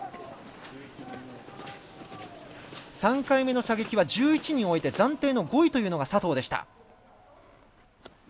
３回目の射撃は１１人終えて暫定の５位というのが佐藤でした。